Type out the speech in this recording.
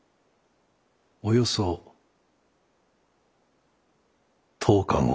およそ１０日後。